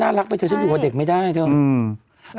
รักไปเธอฉันอยู่กับเด็กไม่ได้เถอะ